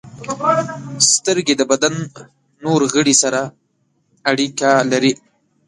• سترګې د بدن نور غړي سره اړیکه لري.